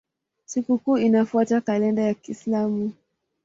Sikukuu inafuata kalenda ya Kiislamu.